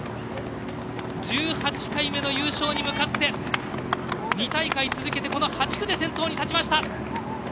１８回目の優勝に向かって２大会続けてこの８区で先頭に立ちました。